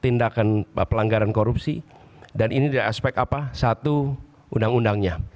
tindakan pelanggaran korupsi dan ini dari aspek apa satu undang undangnya